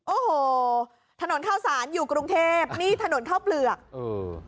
โอ้โหถนนข้าวสารอยู่กรุงเทพนี่ถนนข้าวเปลือกเออ